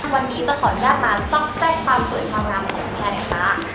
วันนี้จะขอเลือกมาซ่อมแทรกความสวยความราวของแท้เนี่ยคะ